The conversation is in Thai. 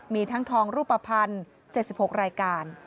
มีทั้งทองรูปภัณฑ์๗๖รายการ